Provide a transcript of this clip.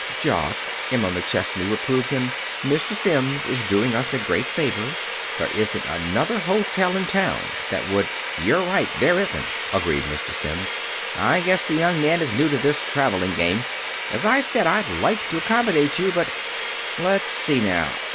"Jock," Emma McChesney reproved him, "Mr. Sims is doing us a great favor. There isn't another hotel in town that would " "You're right, there isn't," agreed Mr. Sims. "I guess the young man is new to this traveling game. As I said, I'd like to accommodate you, but Let's see now.